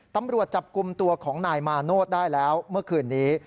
ตำรวจจับกลุ่มตัวของนายมาโนธได้แล้วเมื่อคืนนี้